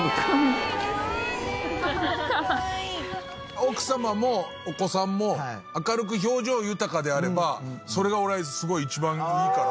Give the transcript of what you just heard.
奥様もお子さんも明るく表情豊かであればそれが俺すごい一番いいから。